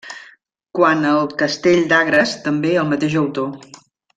Quant al castell d'Agres, també el mateix autor.